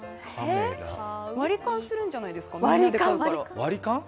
割り勘するんじゃないですか？